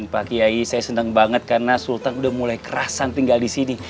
pak kiai saya seneng banget karena sultan udah mulai kerasan tinggal disini